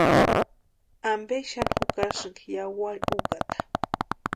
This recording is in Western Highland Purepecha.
¿Ampe xani jukasïnki yawarhi úkata?